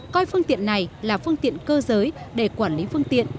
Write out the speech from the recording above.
coi phương tiện này là phương tiện cơ giới để quản lý phương tiện